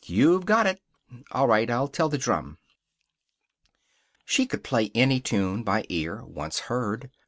You've got it." "All right. I'll tell the drum." She could play any tune by ear, once heard.